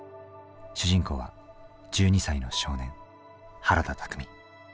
主人公は１２歳の少年原田巧。